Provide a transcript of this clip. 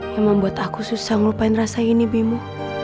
yang membuat aku susah ngelupain rasa ini bimu